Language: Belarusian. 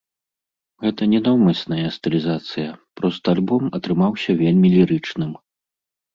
Гэта не наўмысная стылізацыя, проста альбом атрымаўся вельмі лірычным.